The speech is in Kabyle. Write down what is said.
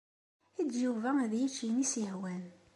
Eǧǧ Yuba ad yečč ayen i as-yehwan.